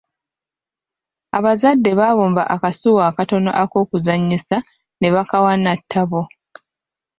Abazadde baabumba akasuwa akatono ak'okuzanyisa ne bakawa Natabo.